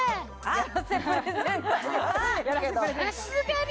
あっ！